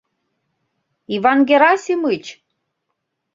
Иван Герасимыч!